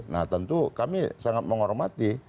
nah tentu kami sangat menghormati